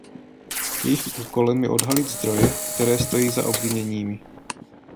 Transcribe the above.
Jejich úkolem je odhalit zdroje, které stojí za obviněními.